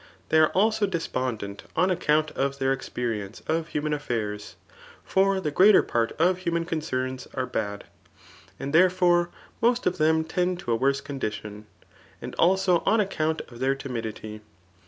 They are also despondent, on account of their experience [[of human affairs ;] for the greater part of human con cerns are bad ; and therefore, most of them tend to a worse condition ; and also on account of their timidity.